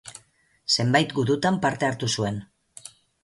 Zenbait gudutan parte hartu zuen.